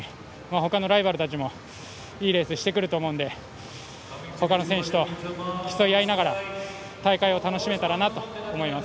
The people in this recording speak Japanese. ほかのライバルたちもいいレースをしてくると思うのでほかの選手と競い合いながら大会を楽しめたらなと思います。